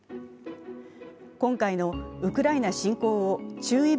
今回のウクライナ侵攻を注意